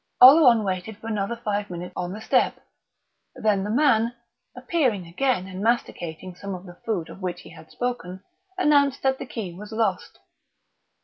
Oleron waited for another five minutes on the step; then the man, appearing again and masticating some of the food of which he had spoken, announced that the key was lost.